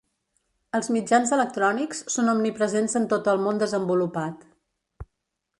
Els mitjans electrònics són omnipresents en tot el món desenvolupat.